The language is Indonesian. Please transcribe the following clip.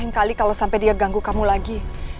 lain kali kalau sampai dia ganggu kamu lagi